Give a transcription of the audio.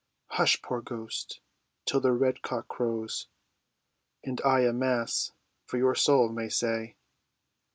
"Hush, poor ghost, till the red cock crows, And I a Mass for your soul may say."